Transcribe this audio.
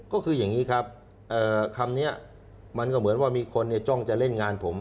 ก็คืออย่างนี้ครับคำนี้มันก็เหมือนว่ามีคนจ้องจะเล่นงานผม